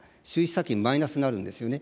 差金マイナスになるんですよね。